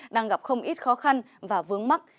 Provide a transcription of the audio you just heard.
đang gặp không ít khó khăn và vướng mắc